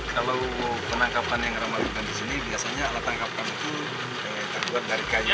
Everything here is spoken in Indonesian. kalau penangkapan yang ramah lingkungan di sini biasanya alat tangkapan itu terbuat dari kayu